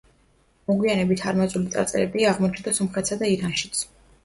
მოგვიანებით არმაზული წარწერები აღმოჩნდა სომხეთსა და ირანშიც.